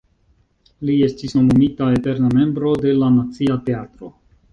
Li estis nomumita eterna membro de la Nacia Teatro.